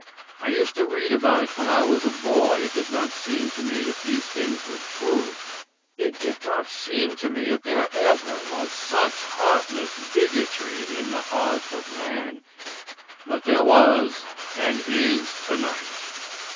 I used to read about it when I was a boy it did not seem to me that these things were true; it did not seem to me that there ever was such heartless bigotry in the heart of man, but there was and is tonight.